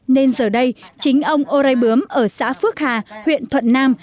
nên giờ đây chính ông ô rai bướm ở xã phước hà huyện thuận nam